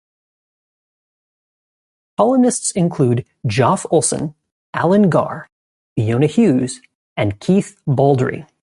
Columnists include Geoff Olson, Allen Garr, Fiona Hughes and Keith Baldrey.